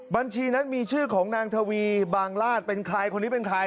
บัญชีนั้นมีชื่อของนางทวีบางราชเป็นใครคนนี้เป็นใคร